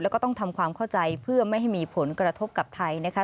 แล้วก็ต้องทำความเข้าใจเพื่อไม่ให้มีผลกระทบกับไทยนะคะ